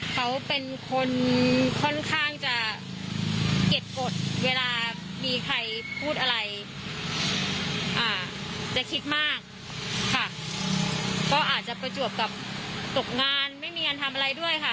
เขาเป็นคนค่อนข้างจะเก็บกฎเวลามีใครพูดอะไรจะคิดมากค่ะก็อาจจะประจวบกับตกงานไม่มีงานทำอะไรด้วยค่ะ